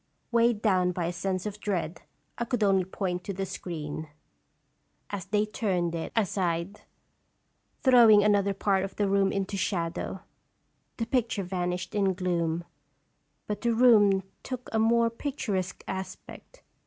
Weighed down by a sense of dread, I could only point to the screen. As they turned it 88 aside, throwing another part of the room into shadow, the picture vanished in gloom, but the room took a more picturesque aspect.